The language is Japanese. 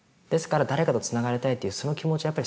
ですから誰かとつながりたいというその気持ち